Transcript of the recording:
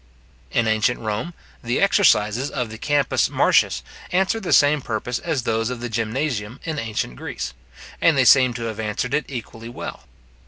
In ancient Rome, the exercises of the Campus Martius answered the same purpose as those of the Gymnasium in ancient Greece, and they seem to have answered it equally well.